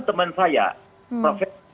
teman saya prof